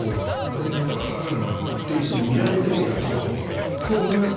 あれ、なんか少ないなって見られてもやったほうがいいんですね。と思います。